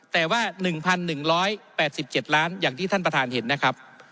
แต่ว่า๑๑๘๗ล้านอย่างที่ท่านประธานเห็นนะครับ